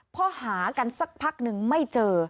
พอหากันสักพักนึงไม่เจอ